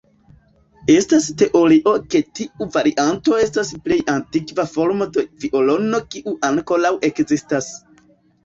Estas teorio ke tiu varianto estas plej antikva formo de violono kiu ankoraŭ ekzistas.